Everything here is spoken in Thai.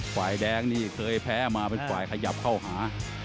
ฝ่ายแดงนี่เคยแพ้มาเป็นฝ่ายขยับเข้าหา